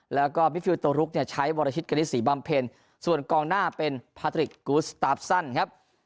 แล้วก็มิฟฟิลโตลุกเนี่ยใช้วรชิตกณิตศรีบำเพ็ญส่วนกองหน้าเป็นพาทริกกูสตาฟซันครับ